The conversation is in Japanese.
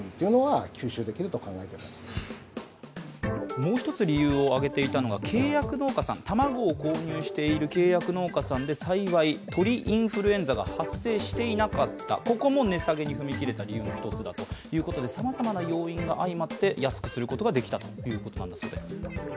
もう一つ理由を挙げていたのが卵を契約している契約農家さんで幸い鳥インフルエンザが発生していなかったここも値下げに踏み切れた理由の１つだということでさまざまな要因が相まって安くすることができたということです。